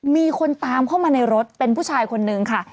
มีคนตามเข้ามาในรถเป็นผู้ชายคนนึงค่ะ